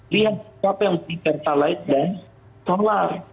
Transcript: lihat siapa yang di pertalite dan solar